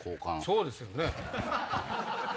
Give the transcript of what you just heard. そうですよね。